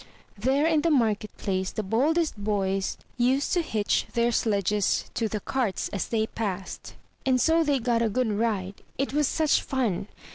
There, in the market place, the boldest boys used to hitch their sledges to the carts as they passed, and so they got a good ride. It was such fun!